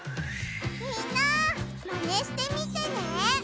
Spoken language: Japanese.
みんなマネしてみてね！